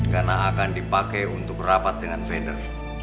karena akan dipakai untuk rapat dengan vader